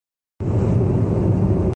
جب چھپے گی اور بک سٹالوں پہ آئے گی۔